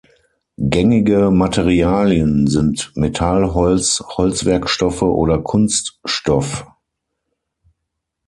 Gängige Materialien sind Metall, Holz, Holzwerkstoffe oder Kunststoff.